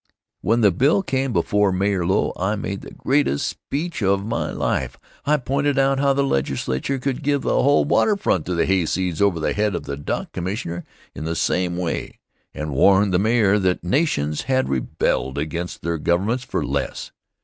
When the bill came before Mayor Low I made the greatest speech of my life. I pointed out how the Legislature could give the whole waterfront to the hayseeds over the head of the Dock Commissioner in the same way, and warned the Mayor that nations had rebelled against their governments for less.